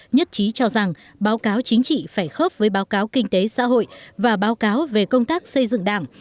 nhất trí cho rằng báo cáo chính trị phải khớp với báo cáo kinh tế xã hội và báo cáo về công tác xây dựng đảng